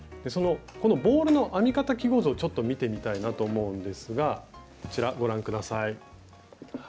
このボールの編み方記号図をちょっと見てみたいなと思うんですがこちらご覧下さい。